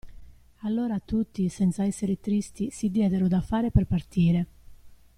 Allora tutti, senza essere tristi, si diedero da fare per partire.